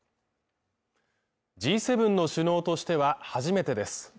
Ｇ７の首脳としては初めてです。